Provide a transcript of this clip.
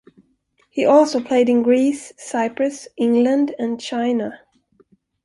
He also played in Greece, Cyprus, England and China.